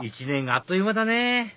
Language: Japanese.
１年があっという間だね